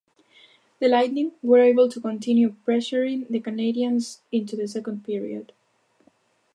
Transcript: The Lightning were able to continue pressuring the Canadiens into the second period.